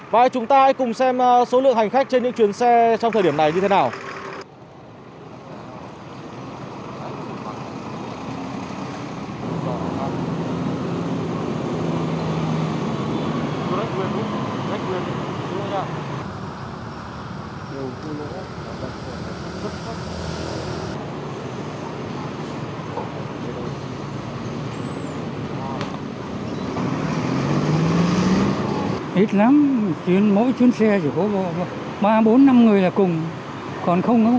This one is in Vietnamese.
vậy chúng ta hãy cùng xem số lượng hành khách trên những chuyến xe trong thời điểm này như thế nào